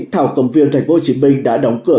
thảo cầm viên tp hcm đã đóng cửa